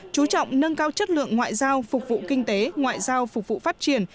chú trọng nâng cao chất lượng ngoại giao phục vụ kinh tế ngoại giao phục vụ phát triển